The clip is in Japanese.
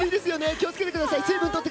気を付けてください。